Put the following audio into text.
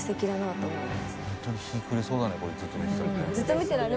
ホントに日が暮れそうだねこれずっと見てたらね。